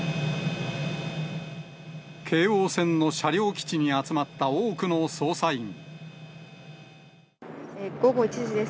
京王線の車両基地に集まった午後１時です。